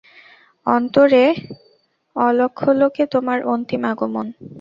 অন্তরে অলক্ষ্যলোকে তোমার অন্তিম আগমন।